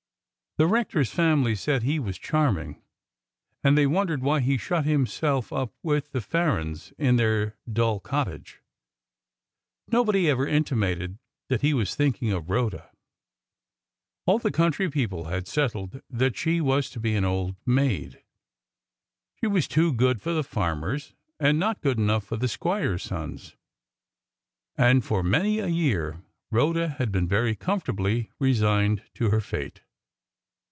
The rector's family said that he was charming, and they wondered why he shut himself up with the Farrens in their dull cottage. Nobody ever intimated that he was thinking of Rhoda. All the country people had settled that she was to be an old maid. She was too good for the farmers, and not good enough for the squires' sons. And for many a year Rhoda had been very comfortably resigned to her fate.